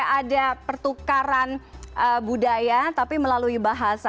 ada pertukaran budaya tapi melalui bahasa